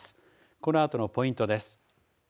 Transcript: このあとのポイントです。